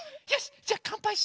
じゃあかんぱいしよう。